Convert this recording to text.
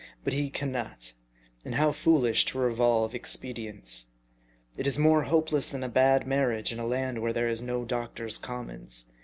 But he can not ; and how foolish to revolve expedients. It is more hopeless than a bad marriage in a land where there is no Doctors' Com mons.